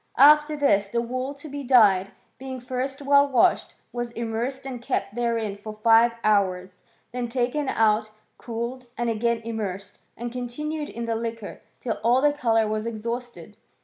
After this, the wool to be dyed, being first well washed, was immersed and kept therein for five hours; then taken out, cooled, and again im mersed, and continued in the liquor till all the colour Was exhausted.